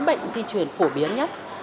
bệnh di chuyển phổ biến nhất